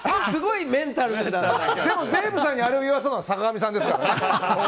すごいメンタルだな。